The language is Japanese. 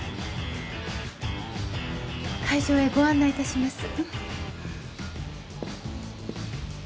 会場へご案内いたします。